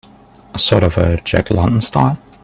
Sort of a Jack London style?